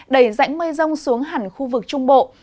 đẩy rãnh mây rông xuống hẳn khu vực trung bộ